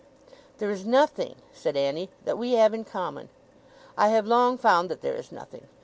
'There is nothing,' said Annie, 'that we have in common. I have long found that there is nothing.